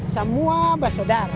semua mbak sodara